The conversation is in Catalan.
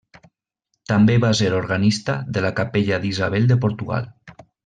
També va ser organista de la capella d'Isabel de Portugal.